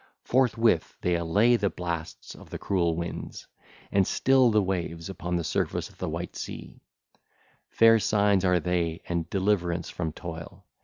Forthwith they allay the blasts of the cruel winds and still the waves upon the surface of the white sea: fair signs are they and deliverance from toil.